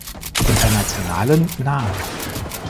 Internationalen nahe.